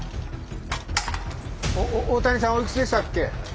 大谷さんおいくつでしたっけ？